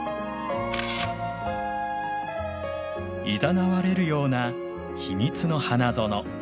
いざなわれるような秘密の花園。